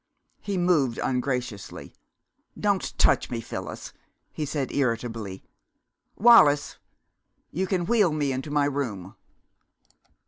He moved ungraciously. "Don't touch me, Phyllis!" he said irritably. "Wallis! You can wheel me into my room."